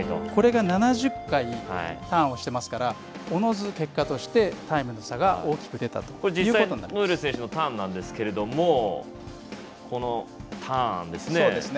これが７０回ターンをしてますからおのず結果としてタイムの差が大きく出たと実際にノエル選手のターンなんですがこのターンですね。